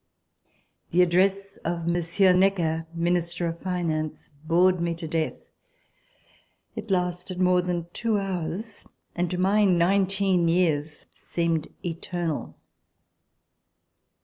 The address of Monsieur Necker, Minister of Finance, bored me to death. It lasted more than two hours and, to my nineteen years, seemed eternal.